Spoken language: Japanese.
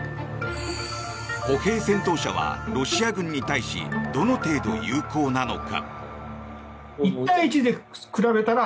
歩兵戦闘車はロシア軍に対しどの程度有効なのか。